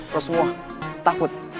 terus semua takut